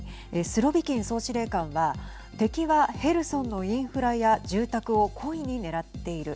スロビキン総司令官は敵はヘルソンのインフラや住宅を故意に狙っている。